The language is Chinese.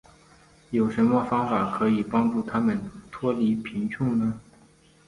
有什么方法可以帮助他们脱离贫穷呢。